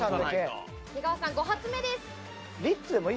出川さん５発目です。